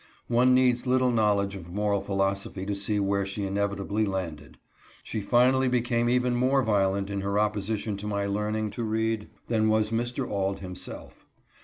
One needs little knowl edge of moral philosophy to see where she inevitably landed. She finally became even more violent in her opposition to my learning to read than was Mr. Auld himself.